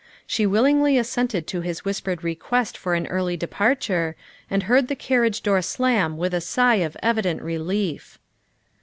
She willingly assented to his whispered request for an early departure, and heard the carriage door slam with a sigh of evident relief.